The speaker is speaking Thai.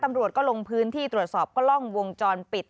ตำรวจก็ลงพื้นที่ตรวจสอบกล้องวงจรปิด